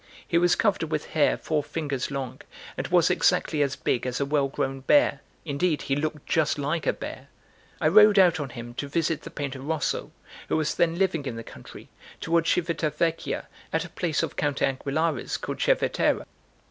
He was covered with hair four fingers long, and was exactly as big as a well grown bear; indeed he looked just like a bear. I rode out on him to visit the painter Rosso, who was then living in the country, toward Civita Vecchia, at a place of Count Anguillara's called Cervetera.